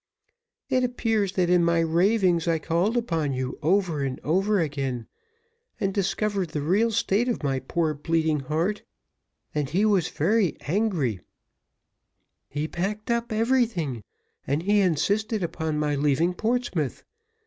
"It appears that in my ravings I called upon you over and over again, and discovered the real state of my poor bleeding heart, and he was very angry: he packed up everything, and he insisted upon my leaving Portsmouth.